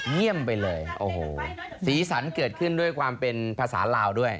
เยี่ยมไปเลยโอ้โหสีสันเกิดขึ้นด้วยความเป็นภาษาลาวด้วย